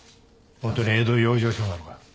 ほんとに江戸養生所なのか？